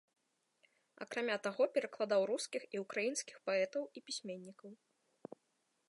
Акрамя таго перакладаў рускіх і ўкраінскіх паэтаў і пісьменнікаў.